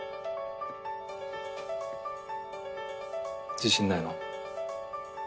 自信ないの？